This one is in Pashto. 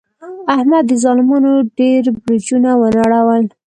احمد د ظالمانو ډېر برجونه و نړول.